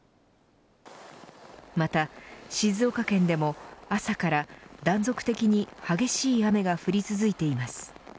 また、静岡県でも朝から断続的に激しい雨が降り続いています。